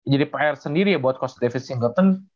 jadi pr sendiri ya buat lf spencer